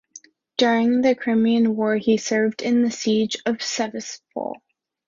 During the Crimean War he served in the siege of Sevastopol.